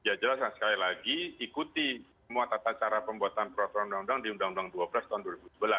ya jelas dan sekali lagi ikuti semua tata cara pembuatan peraturan undang undang di undang undang dua belas tahun dua ribu sebelas